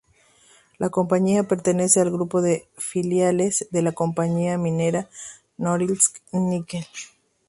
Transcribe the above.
La compañía pertenece al grupo de filiales de la compañía minera Norilsk Nickel.